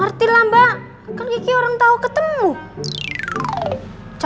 ga ngerti lah mbak kan geki ongkongnya gitu kan mbak michelle tau kagak sih tinggi cowo gitu